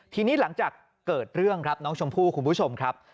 ทีนี้หลังจากเกิดเรื่องครับน้องชมพู่คุณผู้ชมครับ